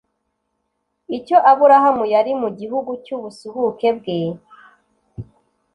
Icyo Aburahamu yari mu gihugu cy'ubusuhuke bwe,